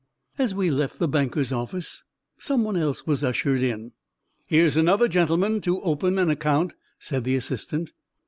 As we left the banker's office someone else was ushered in. "Here's another gentleman to open an account," said the assistant.